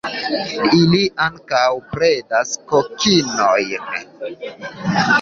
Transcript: Ili ankaŭ bredas kokinojn.